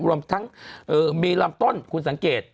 รวมทั้งมีลำต้นคุณสังเกต